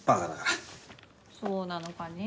そうなのかね。